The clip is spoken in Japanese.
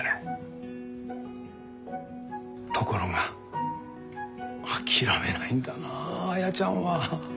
ところが諦めないんだなアヤちゃんは。